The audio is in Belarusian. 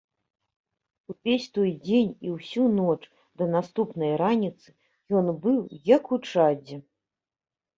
Увесь той дзень і ўсю ноч да наступнай раніцы ён быў як у чадзе.